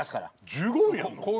１５分やんの？